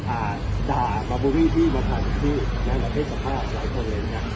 อ่าด่ามาบุวิ่งที่มาถ่ายทุกที่แม่งกับเพศกภาพหลายคนเลยค่ะ